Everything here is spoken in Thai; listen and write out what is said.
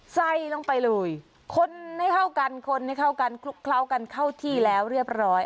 ใส่ลงไปเลยคนให้เข้ากันคนให้เข้ากันคลุกเคล้ากันเข้าที่แล้วเรียบร้อย